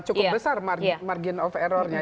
cukup besar margin of errornya